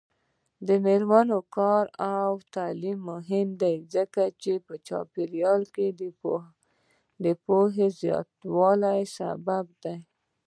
د میرمنو کار او تعلیم مهم دی ځکه چې چاپیریال پوهاوي زیاتولو سبب دی.